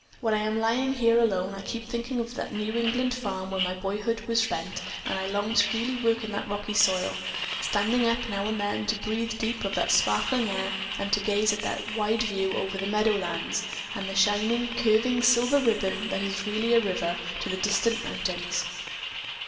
When I am lying here alone, I keep thinking of the New England farm where my boyhood was spent, and I long to really work in that rocky soil, standing up now and then to breathe deep of that sparkling air and to gaze at that wide view over the meadow lands, and the shining, curving silver ribbon, that is really a river, to the distant mountains.